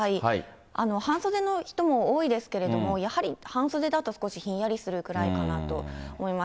半袖の人も多いですけれども、やはり半袖だと少しひんやりするぐらいだなと思います。